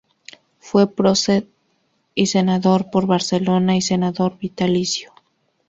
Fue prócer y senador por Barcelona y senador vitalicio.